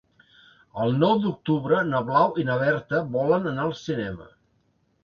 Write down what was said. El nou d'octubre na Blau i na Berta volen anar al cinema.